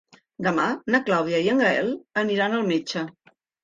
Demà na Clàudia i en Gaël aniran al metge.